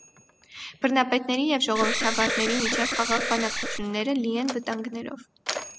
Բռնապետների և ժողովրդավարների միջև խաղաղ բանակցությունները լի են վտանգներով։